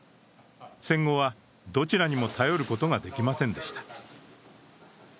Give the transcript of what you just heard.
戦後は、どちらにも頼ることができませんでした。